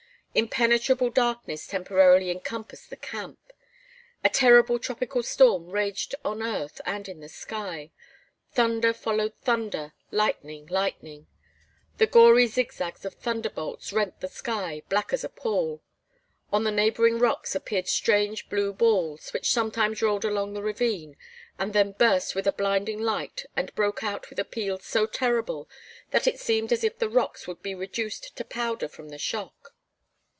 Impenetrable darkness temporarily encompassed the camp. A terrible tropical storm raged on earth and in the sky. Thunder followed thunder, lightning, lightning. The gory zigzags of thunderbolts rent the sky, black as a pall. On the neighboring rocks appeared strange blue balls, which sometimes rolled along the ravine and then burst with a blinding light and broke out with a peal so terrible that it seemed as if the rocks would be reduced to powder from the shock.